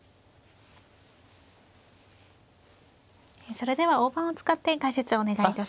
それでは大盤を使って解説をお願いいたします。